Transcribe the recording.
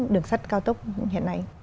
đường sắt cao tốc hiện nay